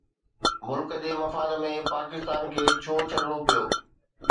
ملڪ جي مفاد ۾ پاڪستان کي ڇو ڇڏڻو پيو؟